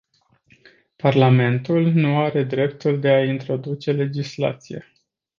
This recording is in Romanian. Parlamentul nu are dreptul de a introduce legislație.